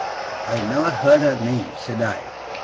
'I never heard her name,' said I.